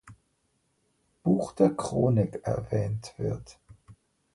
Buch der Chronik erwähnt wird.